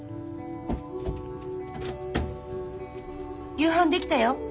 夕飯できたよ。